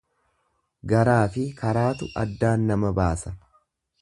Garaafi karaatu addaan nama baasa.